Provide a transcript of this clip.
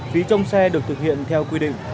phí trong xe được thực hiện theo quy định